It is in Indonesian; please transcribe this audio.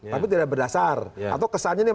tapi tidak berdasar atau kesannya ini